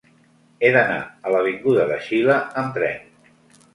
He d'anar a l'avinguda de Xile amb tren.